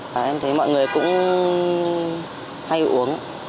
và em thấy mọi người cũng hay uống